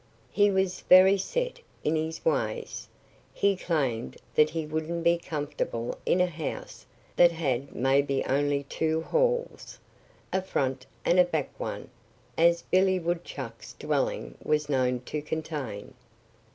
He was very set in his ways. He claimed that he wouldn't be comfortable in a house that had maybe only two halls a front and a back one, as Billy Woodchuck's dwelling was known to contain.